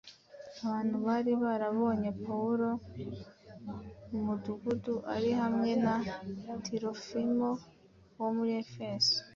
Abantu bari barabonye Pawulo mu mudugudu ari hamwe na Tirofimo wo muri Efeso,